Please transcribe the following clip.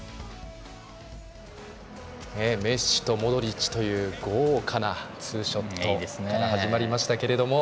メッシとモドリッチという豪華なツーショットから始まりましたが。